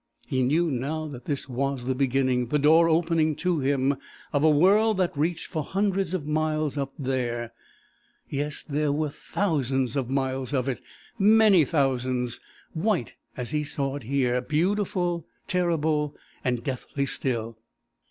He knew, now, that this was the beginning the door opening to him of a world that reached for hundreds of miles up there. Yes, there were thousands of miles of it, many thousands; white, as he saw it here; beautiful, terrible, and deathly still.